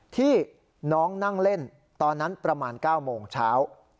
ที่น้องนั่งเล่นตอนนั้นประมาณ๙โมงเช้า